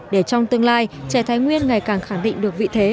để trong tương lai trẻ thái nguyên ngày càng khẳng định được vị thế